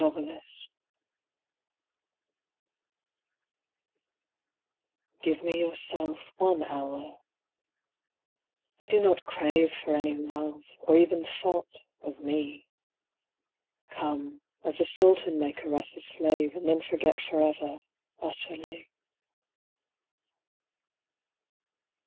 REQUEST IVE ME YOURSELF ONE HOUR; I do not crave For any love, or even thought, of me. Come, as a Sultan may caress a slave And then forget for ever, utterly.